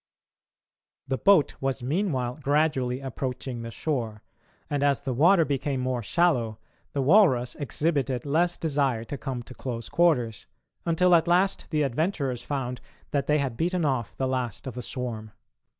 The boat was meanwhile gradually approaching the shore, and as the water became more shallow the walrus exhibited less desire to come to close quarters, until, at last, the adventurers found that they had beaten off the last of the swarm.